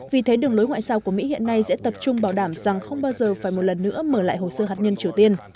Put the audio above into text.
vì thế đường lối ngoại sao của mỹ hiện nay sẽ tập trung bảo đảm rằng không bao giờ phải một lần nữa mở lại hồ sơ hạt nhân triều tiên